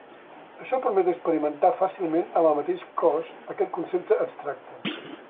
Això permet experimentar fàcilment amb el mateix cos aquest concepte abstracte.